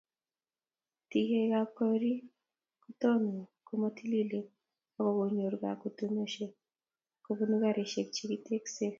Tekikab gorik kotoku komo tililen ako konyoru kakutunosiek kobun garik che kitekse